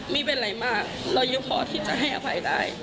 ไม่เป็นไรมากเรายังพอที่จะให้อภัยได้